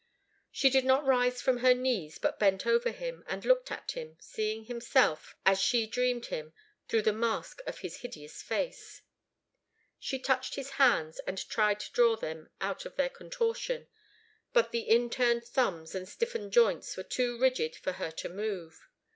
She did not rise from her knees, but bent over him, and looked at him, seeing himself, as she dreamed him, through the mask of his hideous face. She touched his hands, and tried to draw them out of their contortion, but the in turned thumbs and stiffened joints were too rigid for her to move.